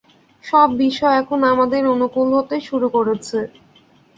সব বিষয় এখন আমাদের অনুকূল হতে শুরু করেছে।